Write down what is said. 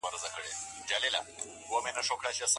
غازیان بې نومه نه دي پاتي.